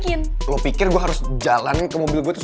ya udah enggak usah mas